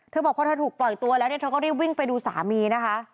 บอกพอเธอถูกปล่อยตัวแล้วเนี่ยเธอก็รีบวิ่งไปดูสามีนะคะ